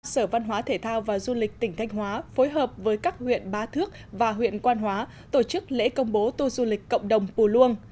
sở văn hóa thể thao và du lịch tỉnh thanh hóa phối hợp với các huyện bá thước và huyện quan hóa tổ chức lễ công bố tour du lịch cộng đồng ua luông